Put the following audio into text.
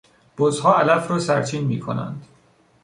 بزها علف را سرچین میکنند.